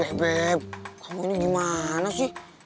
oh beb kamu ini gimana sih